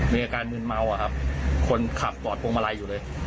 มีอาการมืนเมาอะครับคนขับกอดพวงมาลัยอยู่เลย